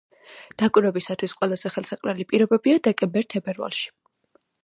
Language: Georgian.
დაკვირვებისათვის ყველაზე ხელსაყრელი პირობებია დეკემბერ-თებერვალში.